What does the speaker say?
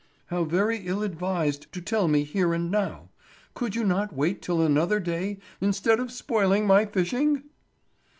"How very ill advised to tell me here and now! Could you not wait till another day instead of spoiling my fishing?"